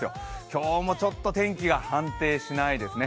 今日もちょっと天気が安定しないですね。